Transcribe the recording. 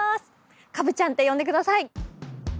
「カブちゃん」って呼んでください。